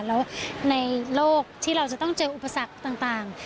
แล้วในโลกที่เราจะต้องเจออุปสรรคต่าง